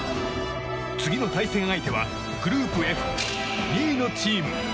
次の対戦相手はグループＦ、２位のチーム。